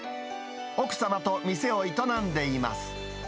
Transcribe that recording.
奥さまと店を営んでいます。